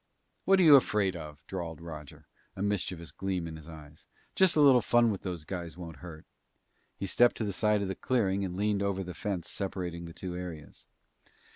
"What are you afraid of?" drawled Roger, a mischievous gleam in his eyes. "Just a little fun with those guys won't hurt." He stepped to the side of the clearing and leaned over the fence separating the two areas.